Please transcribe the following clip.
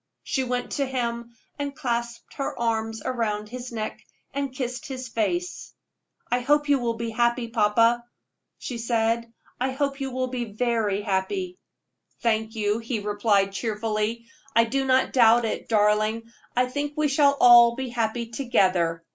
She went to him and clasped her arms around his neck, and kissed his face. "I hope you will be happy, papa," she said "I hope you will be very happy." "Thank you," he replied, cheerfully; "I do not doubt it, darling. I think we shall all be happy together.